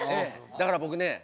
だから僕ね